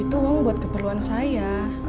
itu memang buat keperluan saya